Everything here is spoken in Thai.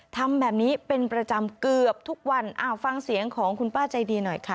ทำแบบนี้เป็นประจำเกือบทุกวันฟังเสียงของคุณป้าใจดีหน่อยค่ะ